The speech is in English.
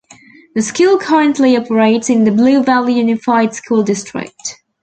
The school currently operates in the Blue Valley Unified School District.